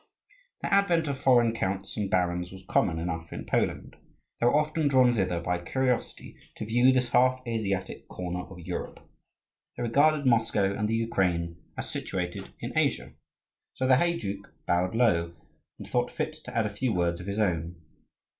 The advent of foreign counts and barons was common enough in Poland: they were often drawn thither by curiosity to view this half Asiatic corner of Europe. They regarded Moscow and the Ukraine as situated in Asia. So the heyduke bowed low, and thought fit to add a few words of his own.